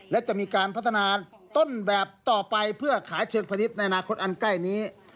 และจะมีการพัฒนาต้นแบบต่อไปเพื่อขายเชิงพนิษฐ์ในอนาคตอันใกล้นี้